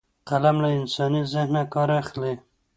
قلم له انساني ذهنه کار اخلي